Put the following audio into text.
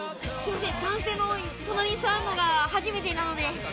男性の隣に座るのが初めてなので。